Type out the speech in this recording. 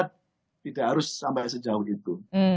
tidak harus sampai sejauh itu